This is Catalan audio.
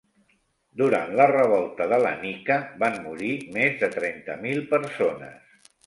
Durant la revolta de la Nika van morir més de trenta mil persones.